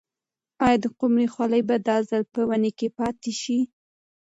آیا د قمرۍ خلی به دا ځل په ونې کې پاتې شي؟